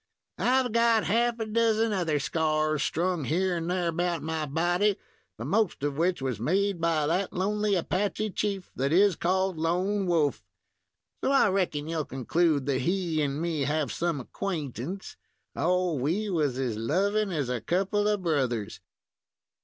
"I've got half a dozen other scars strung here and there about my body, the most of which was made by that lonely Apache chief that is called Lone Wolf; so I reckon you'll conclude that he and me have some acquaintance. Oh! we was as lovin' as a couple of brothers!"